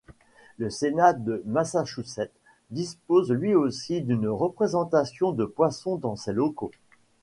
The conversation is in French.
Le Sénat du Massachusetts dispose lui aussi d'une représentation de poisson dans ses locaux.